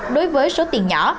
đối với số tiền nhỏ